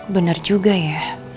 bener juga ya